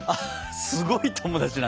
すごい友達なんだ。